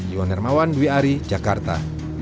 yon hermawan wiari jakarta